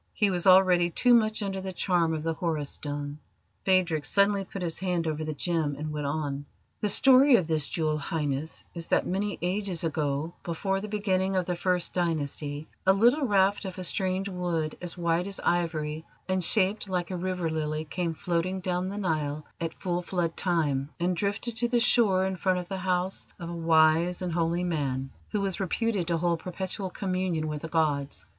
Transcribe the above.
He was already too much under the charm of the Horus Stone. Phadrig suddenly put his hand over the gem and went on. "The story of this jewel, Highness, is that many ages ago, before the beginning of the First Dynasty, a little raft of a strange wood, as white as ivory and shaped like a river lily, came floating down the Nile at full flood time and drifted to the shore in front of the house of a wise and holy man who was reputed to hold perpetual communion with the gods.